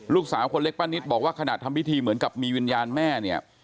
ลูกสาวคนเล็กป้านิตบอกว่าขณะทำพิธีเหมือนกับมีวิญญาณแม่เนี่ย